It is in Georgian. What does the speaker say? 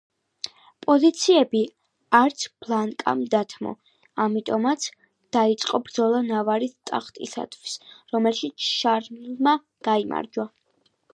პოზიციები არც ბლანკამ დათმო, ამიტომაც დაიწყო ბრძოლა ნავარის ტახტისათვის რომელშიც შარლმა გაიმარჯვა.